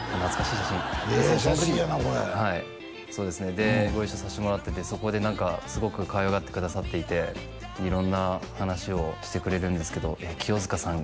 でご一緒さしてもらっててそこですごくかわいがってくださっていて色んな話をしてくれるんですけどえ清塚さん